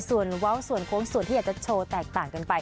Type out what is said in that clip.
ส่วนเว้าส่วนโค้งส่วนที่อยากจะโชว์แตกต่างกันไป